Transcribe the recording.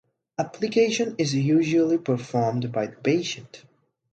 Application is usually performed by the patient.